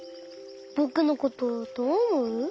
ぼくのことどうおもう？